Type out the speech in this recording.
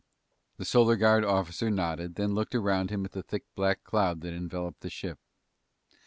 The Solar Guard officer nodded, then looked around him at the thick black cloud that enveloped the ship.